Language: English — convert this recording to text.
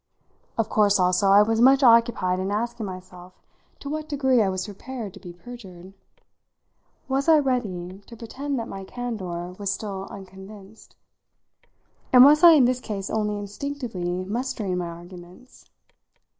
Of course, also, I was much occupied in asking myself to what degree I was prepared to be perjured. Was I ready to pretend that my candour was still unconvinced? And was I in this case only instinctively mustering my arguments?